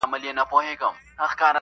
که په ښار کي نور طوطیان وه دی پاچا وو!.